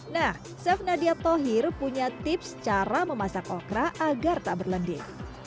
nah chef nadia tohir punya tips cara memasak okra agar tak berlending